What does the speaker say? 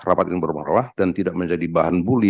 rapat yang bermarwah dan tidak menjadi bahan buli